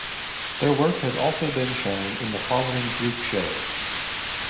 Their work has also been shown in the following group shows.